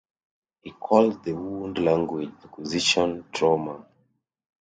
He calls the wound language acquisition trauma.